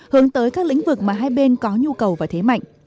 hướng tới các lĩnh vực mà hai bên có nhu cầu và thế mạnh